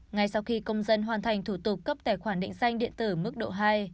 ngay sau khi công dân hoàn thành thủ tục cấp tài khoản định danh điện tử mức độ hai